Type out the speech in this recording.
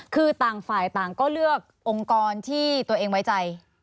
คือต่างฝ่ายต่างก็เลือกองค์กรที่ตัวเองไว้ใจ